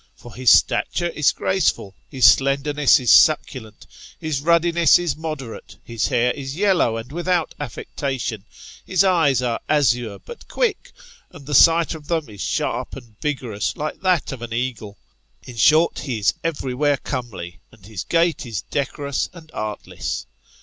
For his stature is graceful, his slendemess is succulent, his ruddinesb is moderate, his hair is yellow and without affectation, his eyes are azure but quick, and the sight of them is sharp and vigor ous like that of an eagle ; in short, he is everywhere comely, and his gait is decorous and artless.